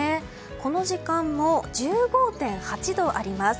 この時間も、１５．８度あります。